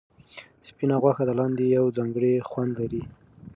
سپینه غوښه د لاندي یو ځانګړی خوند لري.